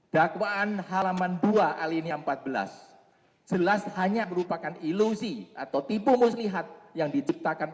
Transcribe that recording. dakwaan halaman dua alinia empat belas jelas hanya merupakan ilusi atau tipu muslihat yang diciptakan